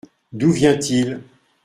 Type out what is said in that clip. D’où vient-il ?